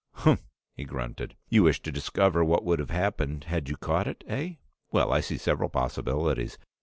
"Humph!" he grunted. "You wish to discover what would have happened had you caught it, eh? Well, I see several possibilities.